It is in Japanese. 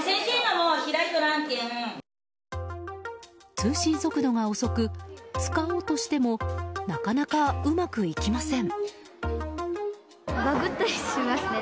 通信速度が遅く使おうとしてもなかなか、うまくいきません。